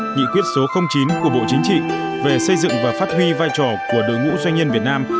nghị quyết số chín của bộ chính trị về xây dựng và phát huy vai trò của đối ngũ doanh nhân việt nam